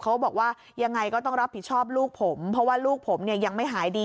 เขาบอกว่ายังไงก็ต้องรับผิดชอบลูกผมเพราะว่าลูกผมเนี่ยยังไม่หายดี